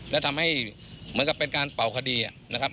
และทำให้เหมือนกับเป็นการเป่าคดีนะครับ